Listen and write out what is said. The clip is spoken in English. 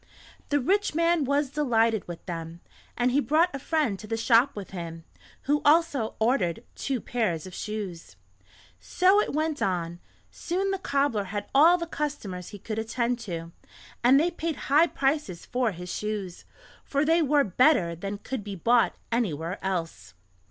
The rich man was delighted with them, and he brought a friend to the shop with him, who also ordered two pairs of shoes. So it went on. Soon the cobbler had all the customers he could attend to, and they paid high prices for his shoes, for they were better than could be bought anywhere else.